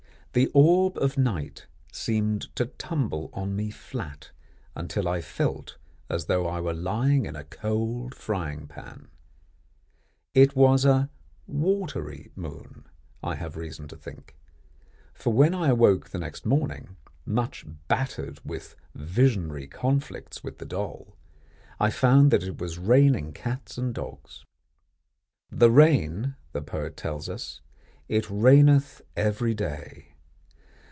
The orb of night seemed to tumble on me flat, until I felt as though I were lying in a cold frying pan. It was a "watery moon," I have reason to think; for when I awoke the next morning, much battered with visionary conflicts with the doll, I found that it was raining cats and dogs. "The rain," the poet tells us, "it raineth every day."